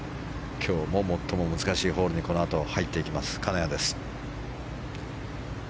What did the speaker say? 今日最も難しいホールに入っていきます金谷です。